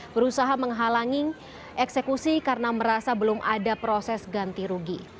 berusaha menghalangi eksekusi karena merasa belum ada proses ganti rugi